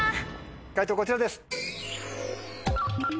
解答こちらです。